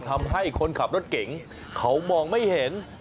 ทำให้คนขับรถเก่งเขามองไม่เห็น